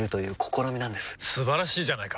素晴らしいじゃないか！